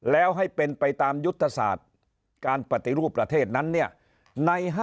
แล้วให้เป็นไปตามยุทธศาสตร์การปฏิรูปประเทศนั้นเนี่ย